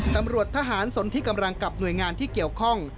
ตำรวจทหารสนที่กำลังกับหน่วยงานที่เกี่ยวข้อง